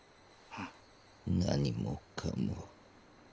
何もかも。